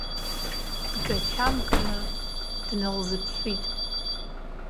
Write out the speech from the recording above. Дгачамкны дналзыԥшит.